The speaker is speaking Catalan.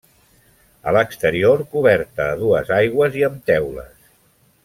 A l'exterior coberta a dues aigües i amb teules.